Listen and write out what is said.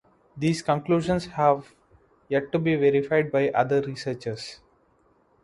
These conclusions have yet to be verified by other researchers.